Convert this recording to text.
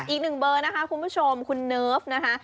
อีกหนึ่งเบอร์นะคะคุณผู้ชมคุณเนิร์ฟนะคะ